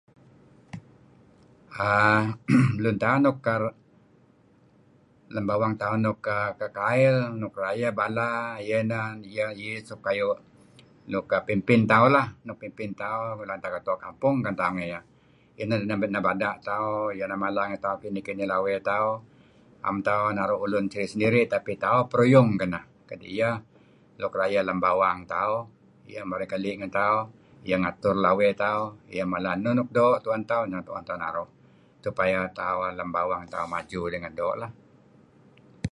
Aaa...i lun tauh nuk karuh... lem bawang nuk aaa.. teh kail, nuk rayeh bala, ieh ineh ieh iih suk kayu' nuk pimpin tauh lah, nuk pimpin tauh. [unintelligible] Tua kampung ken tauh ngen ieh. Kineh tieh nebada' tauh. Ieh nemala ngen tauh, kinih-kinih lawey tauh , em tauh naru' ulun sediri'-sendiri' tapi tauh peruyung keneh kadi' ieh nuk rayeh lem bawang tauh, ieh merey keli' ngen tauh, ieh ngatur lawey tauh, ieh mala enun nuk doo' ineh tu'en tauh ineh tu'en tauh naru' supaya tauh lem bawang tauh maju ngen doo' lah.